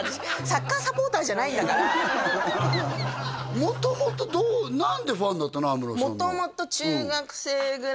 サッカーサポーターじゃないんだから元々何でファンだったの？